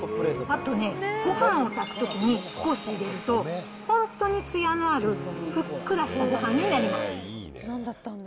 あとね、ごはんを炊くときに少し入れると、本当につやのあるふっくらしたごはんになります。